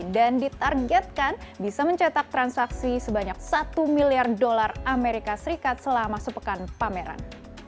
dan ditargetkan bisa mencetak transaksi sebanyak satu miliar dolar amerika serikat selama sepekan pameran